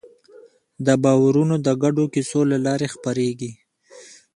دا باورونه د ګډو کیسو له لارې خپرېږي.